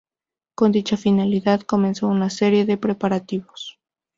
Con dicha finalidad, comenzó una serie de preparativos.